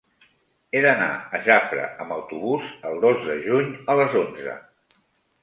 He d'anar a Jafre amb autobús el dos de juny a les onze.